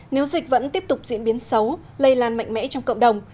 nếu dịch vẫn tiếp tục diễn biến xấu lây lan mạnh mẽ trong cộng đồng